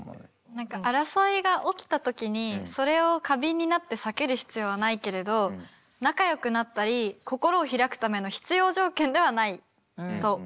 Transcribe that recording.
何か争いが起きた時にそれを過敏になって避ける必要はないけれど仲よくなったり心を開くための必要条件ではないと思う。